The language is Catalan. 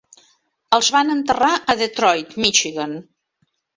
Els van enterrar a Detroit, Michigan.